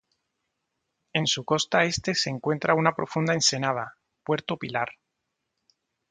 En su costa este se encuentra una profunda ensenada, Puerto Pilar.